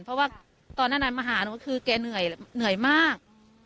เพราะว่าตอนนั้นมาหาคือแกเหนื่อยเหนื่อยมาก